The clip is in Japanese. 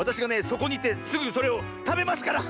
そこにいてすぐそれをたべますから！